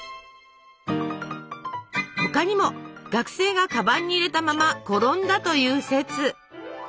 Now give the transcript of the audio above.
他にも学生がカバンに入れたまま転んだという説。